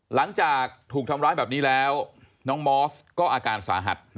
หลังจากถูกทำร้ายแบบนี้แล้วน้องมอสก็อาการสาหัส